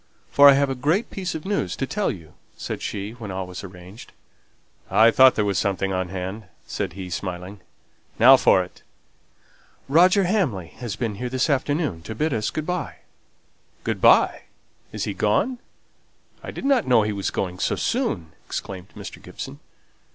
for I have a great piece of news to tell you!" said she, when all was arranged. "I thought there was something on hand," said he, smiling. "Now for it!" "Roger Hamley has been here this afternoon to bid us good by." "Good by! Is he gone? I didn't know he was going so soon!" exclaimed Mr. Gibson.